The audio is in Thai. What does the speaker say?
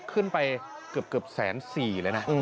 ขึ้นไปเกือบแสนสี่